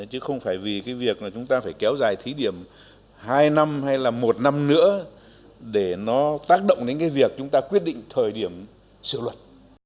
chứ không phải vì cái việc là chúng ta phải kéo dài thí điểm hai năm hay là một năm nữa để nó tác động đến cái việc chúng ta quyết định thời điểm sửa luật